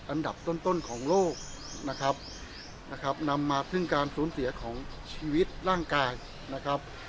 อันดับต้นของโลกนะครับนะครับนำมาซึ่งการสูญเสียของชีวิตร่างกายนะครับ